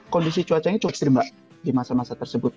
kondisi cuacanya cukup seribat di masa masa tersebut